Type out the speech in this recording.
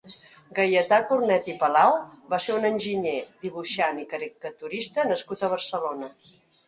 Gaietà Cornet i Palau va ser un enginyer, dibuixant i caricaturista nascut a Barcelona.